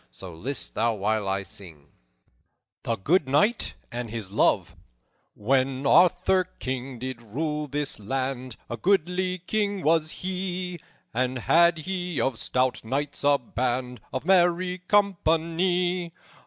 So, list thou while I sing:" THE GOOD KNIGHT AND HIS LOVE "_When Arthur, King, did rule this land, A goodly king was he, And had he of stout knights a band Of merry company.